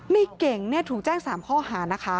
เก่งถูกแจ้ง๓ข้อหานะคะ